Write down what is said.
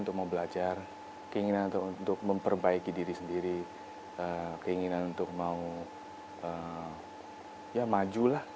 untuk belajar keinginan untuk memperbaiki diri sendiri keinginan untuk mau ya majulah